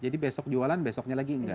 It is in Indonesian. jadi besok jualan besoknya lagi enggak